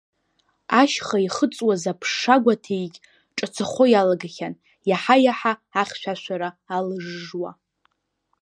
Ашьха ихыҵуаз аԥша гәаҭеигь ҿацахо иалагахьан, иаҳа-иаҳа ахьшәашәара алыжжуа.